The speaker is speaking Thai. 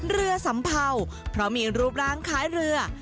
สัมเภาเพราะมีรูปร่างคล้ายเรือ